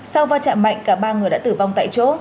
sau va chạm mạnh cả ba người đã tử vong tại chỗ